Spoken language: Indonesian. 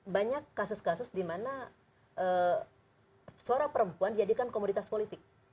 banyak kasus kasus dimana suara perempuan dijadikan komoditas politik